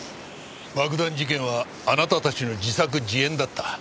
爆弾事件はあなたたちの自作自演だった。